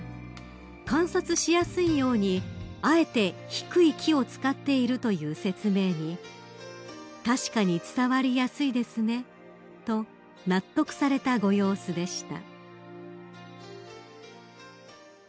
［観察しやすいようにあえて低い木を使っているという説明に「確かに伝わりやすいですね」と納得されたご様子でした］